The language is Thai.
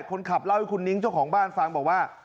คนขับเล่าให้คุณนิ้งเจ้าของบ้านฟังบอกว่า